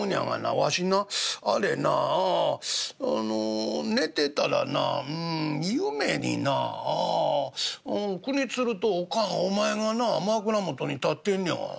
わしなあれなあの寝てたらなうん夢にな国鶴とおかんお前がな枕元に立ってんねやが。